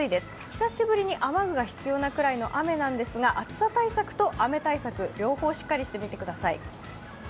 久しぶりに雨具が必要なくらいの雨なんですけれども、暑さ対策と雨対策、両方しっかりしてみてください。